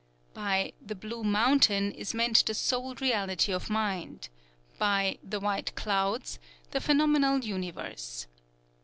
_" By "the Blue Mountain" is meant the Sole Reality of Mind; by "the White Clouds," the phenomenal universe.